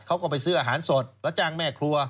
เขาก็ไปซื้ออาหารสดแล้วจ้างแม่ครัว